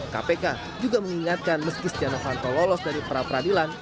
kpk juga mengingatkan meski stiano fanto lolos dari pra peradilan